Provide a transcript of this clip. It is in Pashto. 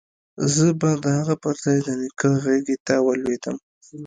زه به د هغه پر ځاى د نيکه غېږې ته ولوېدم.